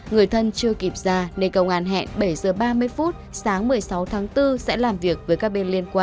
người thân chưa kịp ra nên cầu an hẹn bảy h ba mươi sáng một mươi sáu tháng bốn sẽ làm việc với kbtv